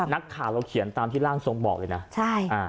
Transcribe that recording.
นักข่าวเราเขียนตามที่ร่างทรงบอกเลยนะใช่อ่า